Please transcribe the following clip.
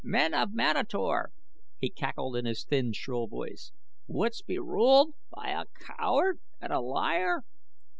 "Men of Manator," he cackled in his thin, shrill voice, "wouldst be ruled by a coward and a liar?"